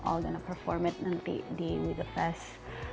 dan bagaimana kita akan melakukannya di we the fest